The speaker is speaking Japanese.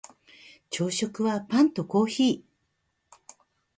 朝食はパンとコーヒー